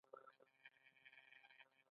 آیا کاناډا د دې کار مخالفت نه کوي؟